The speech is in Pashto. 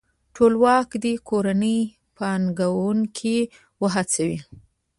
ټولواک دې کورني پانګوونکي وهڅوي.